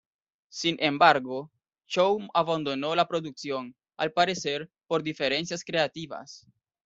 Sin embargo, Chow abandonó la producción, al parecer, por diferencias creativas.